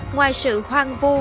ngoài sự hoang vu